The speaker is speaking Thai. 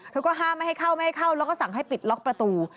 เธอก็ห้ามไม่ให้เข้าไม่ให้เข้าแล้วก็สั่งให้ปิดล็อกประตู